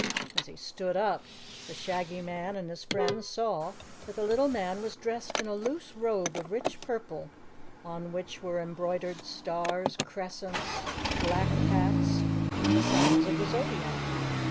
As he stood up, the Shaggy Man and his friends saw that the little man was dressed in a loose robe of rich purple on which were embroidered stars, crescents, black cats, and the signs of the Zodiac.